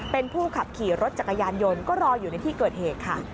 เป็นผู้ขับขี่รถจักรยานยนต์ก็รออยู่ในที่เกิดเหตุค่ะ